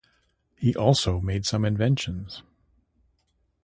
He also made some inventions.